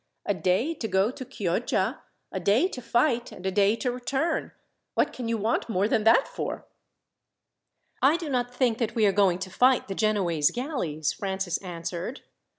A day to go to Chioggia, a day to fight, and a day to return. What can you want more than that for?" "I do not think that we are going to fight the Genoese galleys," Francis answered.